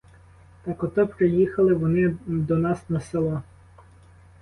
Так ото приїхали вони до нас на село.